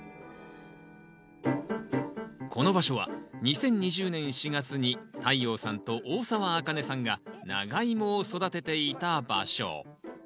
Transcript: この場所は２０２０年４月に太陽さんと大沢あかねさんがナガイモを育てていた場所。